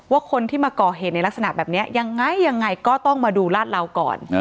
คนที่มาก่อเหตุในลักษณะแบบนี้ยังไงยังไงก็ต้องมาดูลาดเหลาก่อน